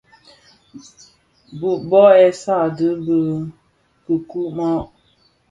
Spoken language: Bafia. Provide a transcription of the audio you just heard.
Bu i sààdee bi kikumàg.